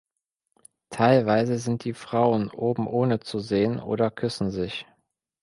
Teilweise sind die Frauen oben ohne zu sehen oder küssen sich.